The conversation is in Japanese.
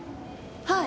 はい。